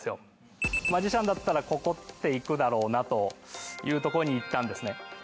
マジシャンだったらここっていくだろうなというところにいったんですね。